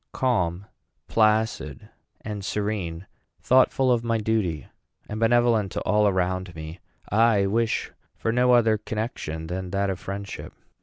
Calm, placid, and serene, thoughtful of my duty, and benevolent to all around me, I wish for no other connection than that of friendship.